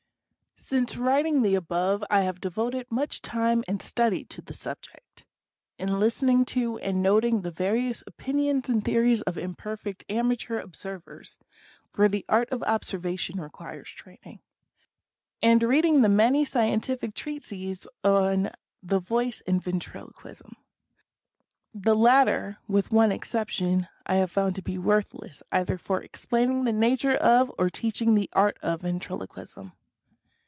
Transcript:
Since writing the above I have devoted much time and study to the subject, in listening to and noting the various opinions and theories of imperfect amateur observers (for the art of observation requires training), and reading the many scientific treatises on the Voice and Ventriloquism. The latter, with one exception, I have found to be worthless, either for explaining the nature of or teaching the art of Ventriloquism.